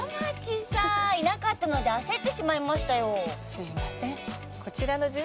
すいません。